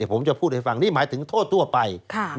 ผมจะพูดให้ฟังนี่หมายถึงโทษทั่วไป